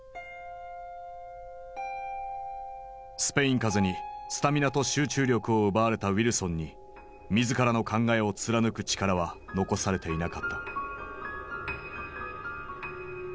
スペイン風邪にスタミナと集中力を奪われたウィルソンに自らの考えを貫く力は残されていなかった。